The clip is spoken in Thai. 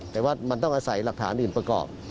แต่ว่ามันต้องอาศัยหลักฐานอื่นประกอบ